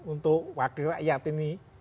untuk wakil rakyat ini